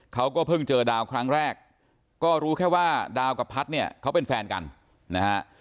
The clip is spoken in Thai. เขาก็เพิ่งเจอดาวครั้งแรกก็รู้แค่ว่าดาวกับพัฒน์เนี่ยเขาเป็นแฟนกันนะฮะ